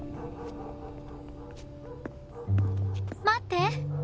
待って。